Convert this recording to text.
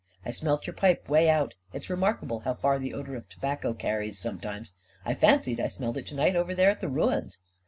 " I smelt your pipe, away out. It's re markable how far the odor of tobacco carries some times. I fancied I smelt it to night away over there at the ruins."